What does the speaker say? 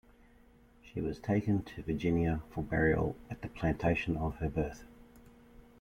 She was taken to Virginia for burial at the plantation of her birth.